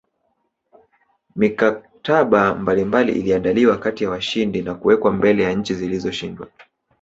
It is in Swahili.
Mikataba mbalimbali iliandaliwa kati ya washindi na kuwekwa mbele ya nchi zilizoshindwa